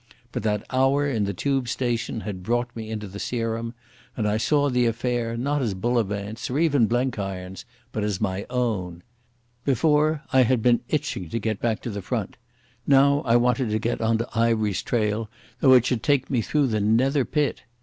But that hour in the Tube station had brought me into the serum, and I saw the affair not as Bullivant's or even Blenkiron's, but as my own. Before I had been itching to get back to the Front; now I wanted to get on to Ivery's trail, though it should take me through the nether pit.